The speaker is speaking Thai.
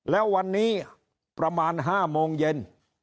แล้ววันนี้ประมาณ๕โมงเย็น